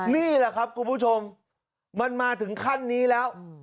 นี่แหละครับคุณผู้ชมมันมาถึงขั้นนี้แล้ว